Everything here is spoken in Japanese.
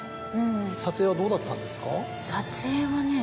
撮影はどうだったんですか？